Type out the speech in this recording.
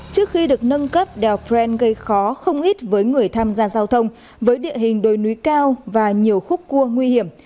trước khi được nâng cấp đèo pren gây khó không ít với người tham gia giao thông với địa hình đồi núi cao và nhiều khúc cua nguy hiểm